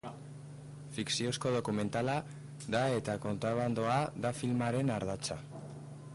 Fikziozko dokumentala da eta kontrabandoa da filmaren ardatza.